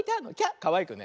かわいくね。